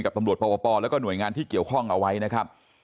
ตำรวจปปแล้วก็หน่วยงานที่เกี่ยวข้องเอาไว้นะครับ